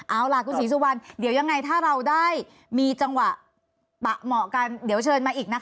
เอาล่ะคุณศรีสุวรรณเดี๋ยวยังไงถ้าเราได้มีจังหวะปะเหมาะกันเดี๋ยวเชิญมาอีกนะคะ